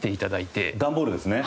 段ボールですね？